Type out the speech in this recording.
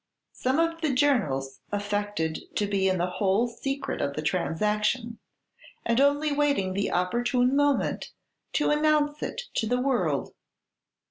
Some of the journals affected to be in the whole secret of the transaction, and only waiting the opportune moment to announce it to the world.